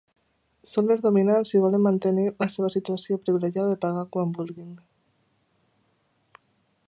Són les dominants i volen mantenir la seva situació privilegiada de pagar quan vulguin.